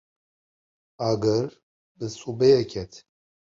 Agir bi sobeyê ket.